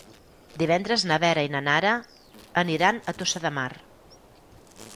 Divendres na Vera i na Nara aniran a Tossa de Mar.